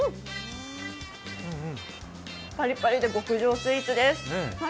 パリパリで極上スイーツです。